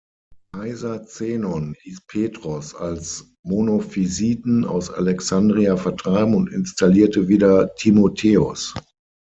Kaiser Zenon ließ Petros als Monophysiten aus Alexandria vertreiben und installierte wieder Timotheos.